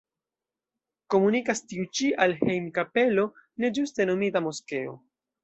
Komunikas tiu ĉi al hejm-kapelo, ne ĝuste nomita moskeo.